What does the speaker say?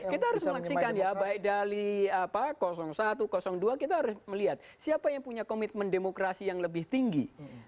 kita harus menyaksikan ya baik dari satu dua kita harus melihat siapa yang punya komitmen demokrasi yang lebih tinggi